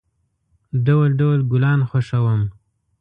ډول، ډول گلان خوښوم.